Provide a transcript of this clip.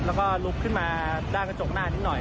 แล้วก็ลุกขึ้นมาด้านกระจกหน้านิดหน่อย